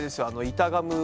板ガム